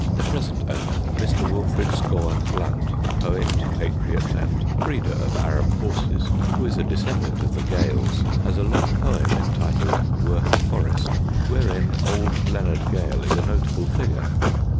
The present owner, Mr. Wilfred Scawen Blunt, poet, patriot, and breeder of Arab horses, who is a descendant of the Gales, has a long poem entitled "Worth Forest," wherein old Leonard Gale is a notable figure.